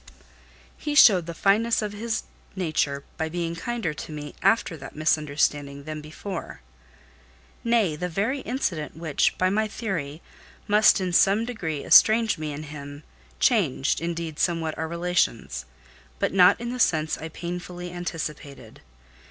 He showed the fineness of his nature by being kinder to me after that misunderstanding than before. Nay, the very incident which, by my theory, must in some degree estrange me and him, changed, indeed, somewhat our relations; but not in the sense I painfully anticipated.